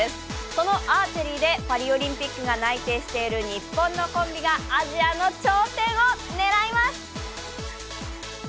そのアーチェリーでパリオリンピックが内定してる日本のコンビがアジアの頂点を狙います！